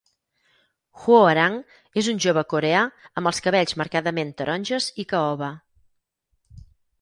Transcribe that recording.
Hwoarang és un jove coreà amb els cabells marcadament taronges i caoba.